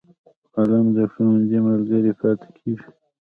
قلم د ښوونځي ملګری پاتې کېږي